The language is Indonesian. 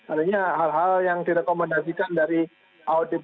artinya hal hal yang direkomendasikan dari audiens